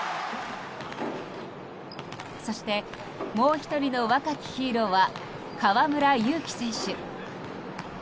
そしてもう１人の若きヒーローは河村勇輝選手。